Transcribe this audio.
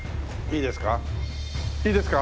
いいですか？